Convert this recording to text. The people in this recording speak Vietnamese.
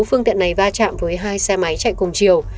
phương tiện này va chạm với hai xe máy chạy cùng chiều